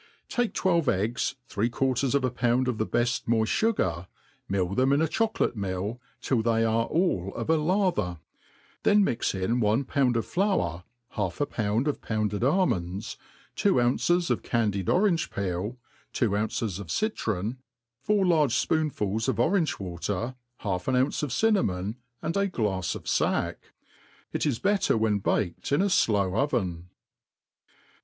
TAKE twelve eggs, three quarters of a pound of the beft TOoift fugar, mill them in a chocolate mill, till they are all of "a lather ; then mix in one pound of flour, half a pound of pound ed almonds, two ounces of candied orange peel, tiyo ounces ©f jpitron, APPENDIX TO THE ART OF COOKERY. 359 citron, four large l|>oonfu1s of orange water, half an ounce of cinnamon, and a glafs of fack. Ic is better when baked in a flow oven.